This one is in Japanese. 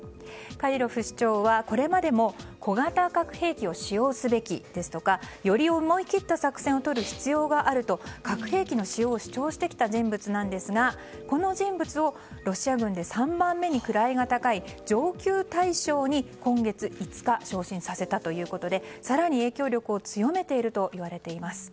カディロフ首長はこれまでも小型核兵器を使用すべきですとかより思い切った作戦を取る必要があると核兵器の使用を主張してきた人物ですがこの人物をロシア軍で３番目に位が高い上級大将に今月５日昇進させたということで更に影響力を強めているといわれています。